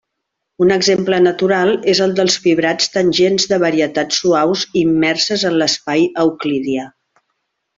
Un exemple natural és el dels fibrats tangents de varietats suaus immerses en l'espai euclidià.